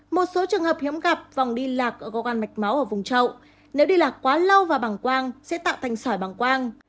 một số trường hợp hiếm gặp vòng đi lạc ở cogan mạch máu ở vùng trậu nếu đi lạc quá lâu và bằng quang sẽ tạo thành sỏi bằng quang